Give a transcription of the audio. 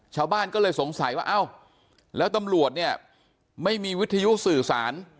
ชาวบ้านก็เลยสงสัยว่าเอ้าแล้วตำรวจเนี่ยไม่มีวิทยุสื่อสาร